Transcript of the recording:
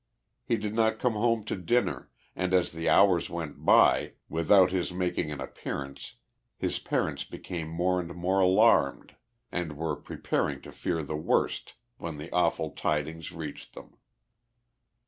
— He did not come home to dinner and as the hours went by, with out his making an appearance, his parents became more and more alarmed and were preparing to fear the worst when the awful tidings reached them.